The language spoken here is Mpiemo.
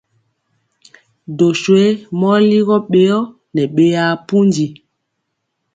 Doswe mɔ ligɔ ɓeyɔ nɛ ɓeyaa pundi.